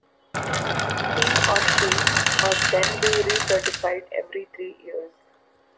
He or she must then be re-certified every three years.